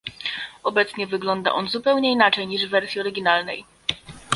Obecnie wygląda on zupełnie inaczej niż w wersji oryginalnej